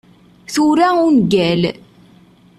Tura ungal.